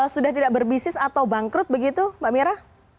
sudah tidak berbisnis atau bangkrut begitu mbak mira